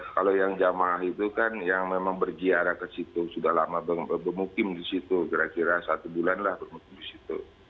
kalau yang jamaah itu kan yang memang berziarah ke situ sudah lama bermukim di situ kira kira satu bulan lah bermukim di situ